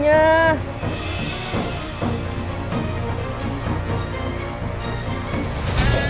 nanti kita akan berbicara